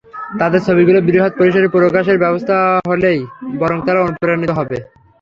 তাঁদের ছবিগুলো বৃহৎ পরিসরে প্রকাশের ব্যবস্থা হলেই বরং তাঁরা অনুপ্রাণিত হবেন।